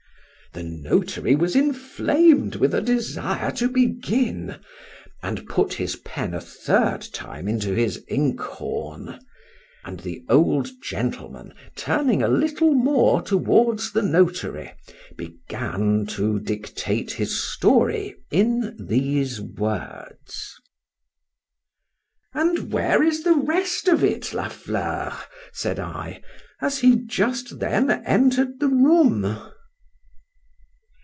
— —The notary was inflamed with a desire to begin, and put his pen a third time into his ink horn—and the old gentleman, turning a little more towards the notary, began to dictate his story in these words:— —And where is the rest of it, La Fleur? said I, as he just then enter'd the room.